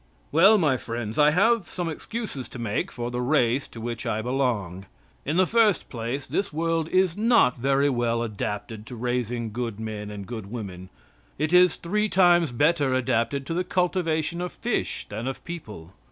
Well, my friends, I have some excuses to make for the race to which I belong. In the first place, this world is not very well adapted to raising good men and good women. It is three times better adapted to the cultivation of fish than of people.